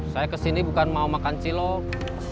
saya kesini bukan mau makan cilok